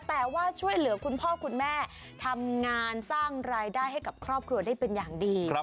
แต่ว่าช่วยเหลือคุณพ่อคุณแม่ทำงานสร้างรายได้ให้กับครอบครัวได้เป็นอย่างดี